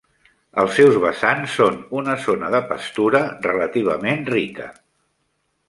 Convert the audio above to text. Els seus vessants són una zona de pastura relativament rica.